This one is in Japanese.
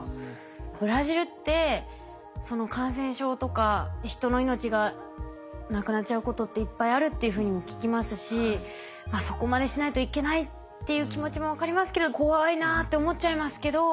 ブラジルってその感染症とか人の命がなくなっちゃうことっていっぱいあるっていうふうにも聞きますしそこまでしないといけないっていう気持ちも分かりますけど怖いなぁって思っちゃいますけど。